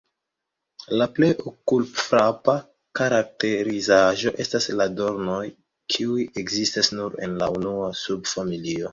La plej okulfrapa karakterizaĵo estas la dornoj kiuj ekzistas nur en la unua subfamilio.